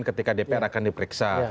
ketika dpr akan diperiksa